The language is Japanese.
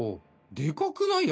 でかくない？